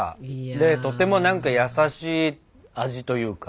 でとても何か優しい味というか。